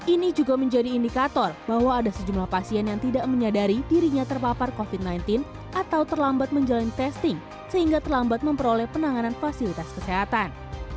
ini juga menjadi indikator bahwa ada sejumlah pasien yang tidak menyadari dirinya terpapar covid sembilan belas atau terlambat menjalani testing sehingga terlambat memperoleh penanganan fasilitas kesehatan